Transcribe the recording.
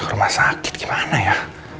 rumah sakit gimana ya